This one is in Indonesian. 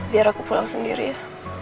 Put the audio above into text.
biar aku pulang sendiri ya